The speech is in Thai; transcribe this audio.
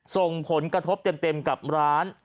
ส่งผลกระทบเต็มกับร้าน